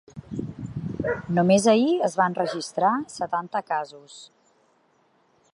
Només ahir es van registrar setanta casos.